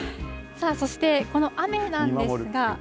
さあ、そしてこの雨なんですが。